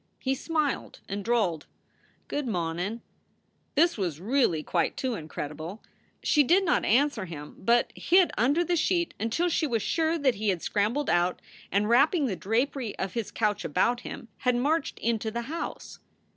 He smiled and drawled, "Good mawn n ." This was really quite too incredible. She did not answer him, but hid under the sheet until she was sure that he had scrambled out and, wrapping the drapery of his couch about him, had marched into the house.